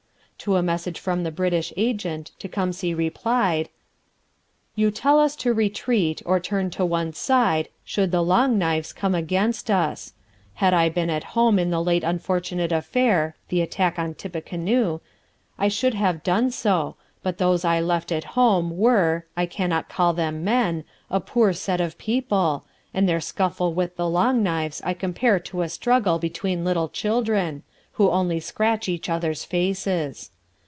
To a message from the British agent Tecumseh replied: You tell us to retreat or turn to one side should the Long Knives come against us. Had I been at home in the late unfortunate affair [the attack on Tippecanoe] I should have done so, but those I left at home were (I cannot call them men) a poor set of people, and their scuffle with the Long Knives I compare to a struggle between little children, who only scratch each other's faces.